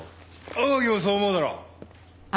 天樹もそう思うだろ。